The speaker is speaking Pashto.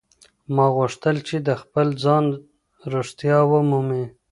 ملا غوښتل چې د خپل ځان رښتیا ومومي.